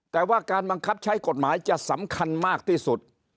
แต่ว่าการบังคับใช้กฎหมายจะสำคัญมากที่สุด